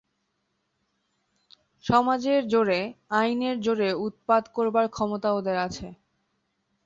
সমাজের জোরে, আইনের জোরে উৎপাত করবার ক্ষমতা ওদের আছে।